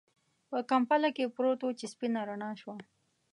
په کمپله کې پروت و چې سپينه رڼا شوه.